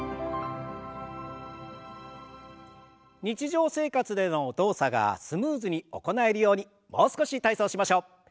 日常生活での動作がスムーズに行えるようにもう少し体操をしましょう。